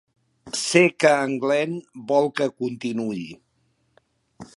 Sé que en Glenn vol que continuï.